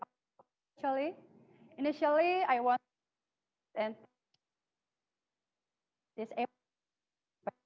apa inisiatif dan prosedur